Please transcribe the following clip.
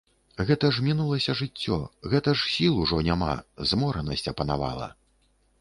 Гэта ж мінулася жыццё, гэта ж сіл ужо няма, зморанасць апанавала.